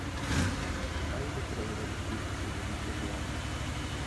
Ha ilustrado varios libros y revistas de arte.